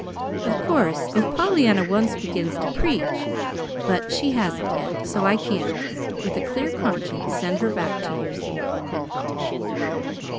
Of course, if Pollyanna once begins to preach but she hasn't yet; so I can't, with a clear conscience, send her back to you."